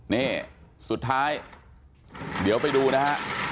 นี่สุดท้ายเดี๋ยวไปดูนะฮะ